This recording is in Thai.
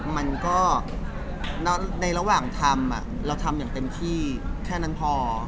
มันก็ในระหว่างทำเราทำอย่างเต็มที่แค่นั้นพอ